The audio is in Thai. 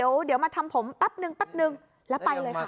โอ้เดี๋ยวมาทำผมปั๊บหนึ่งแล้วไปเลยค่ะ